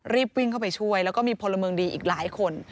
รีบวิ่งเข้าไปช่วยแล้วก็มีพลเมืองดีอีกหลายคน